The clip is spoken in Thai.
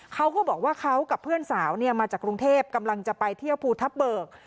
เขาก็บอกว่าเขากับเพื่อนสาวมาจากกรุงเทพกำลังจะไปเที่ยวภูทับเบิก